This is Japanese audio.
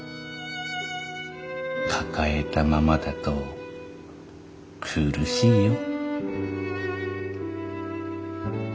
抱えたままだと苦しいよ。